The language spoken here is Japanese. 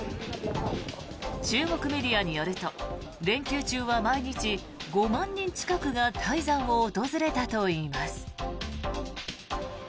中国メディアによると連休中は毎日５万人近くが泰山を訪れたといいます。